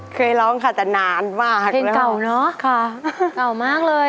เคยร้องค่ะแต่นานมาก